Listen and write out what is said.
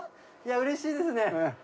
うれしいですね。